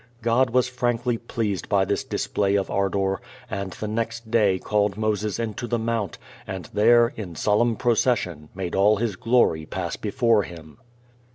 God was frankly pleased by this display of ardor, and the next day called Moses into the mount, and there in solemn procession made all His glory pass before him.